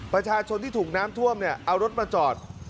ประชาชนที่ถูกน้ำท่วมเนี่ยเอารถมาจอด